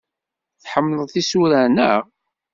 Tḥemmleḍ isura, naɣ?